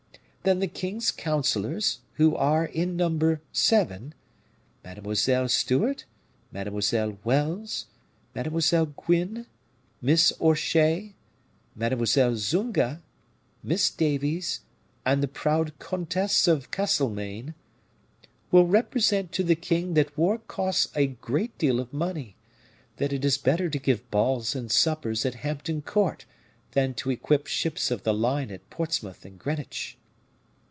then the king's counselors, who are in number seven Mademoiselle Stewart, Mademoiselle Wells, Mademoiselle Gwyn, Miss Orchay, Mademoiselle Zunga, Miss Davies, and the proud Countess of Castlemaine will represent to the king that war costs a great deal of money; that it is better to give balls and suppers at Hampton Court than to equip ships of the line at Portsmouth and Greenwich."